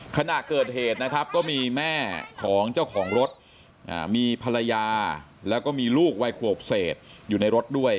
ขณะเกิดเหตุนะครับก็มีแม่ของเจ้าของรถมีภรรยาแล้วก็มีลูกวัยขวบเศษอยู่ในรถด้วย